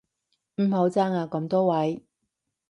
唔好爭啊咁多位